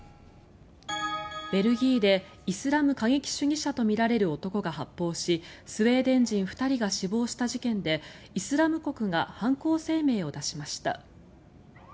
ベルギーでイスラム過激主義者とみられる男が発砲しスウェーデン人２人が死亡した事件でイスラム国が犯行声明を出しました。